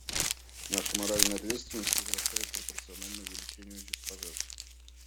Наша моральная ответственность возрастает пропорционально увеличению числа жертв.